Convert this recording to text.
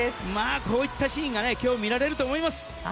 こういったシーンが今日、見られると思います。